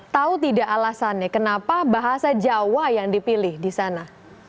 tahu tidak alasannya kenapa bahasa jawa yang dipilih disana